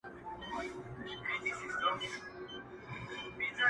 دا خو ددې لپاره-